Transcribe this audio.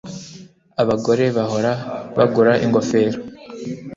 Abagore bahora bagura ingofero